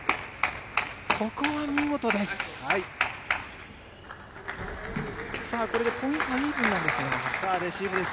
ここは見事です。